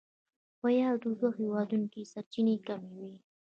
په یادو دوو هېوادونو کې سرچینې کمې وې.